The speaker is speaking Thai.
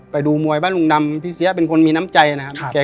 ไปดูมวยบ้านลุงดำพี่เสียเป็นคนมีน้ำใจนะครับ